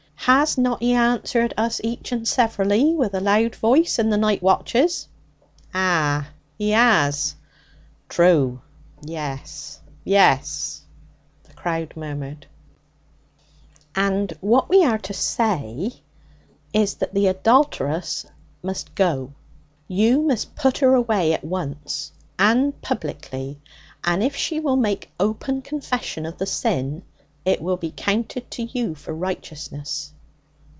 'Has not He answered us each and severally with a loud voice in the night watches?' 'Ah! He 'as! True! Yes, yes!' the crowd murmured. 'And what we are to say,' James went on, 'is that the adulteress must go. You must put her away at once and publicly; and if she will make open confession of the sin, it will be counted to you for righteousness.'